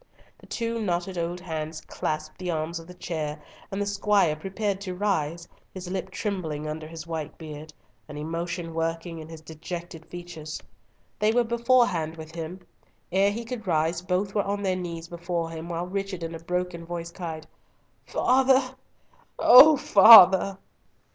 The two knotted old hands clasped the arms of the chair, and the squire prepared to rise, his lip trembling under his white beard, and emotion working in his dejected features. They were beforehand with him. Ere he could rise both were on their knees before him, while Richard in a broken voice cried, "Father, O father!"